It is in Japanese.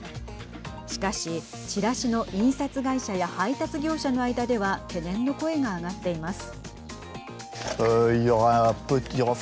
しかし、チラシの印刷会社や配達業者の間では懸念の声が上がっています。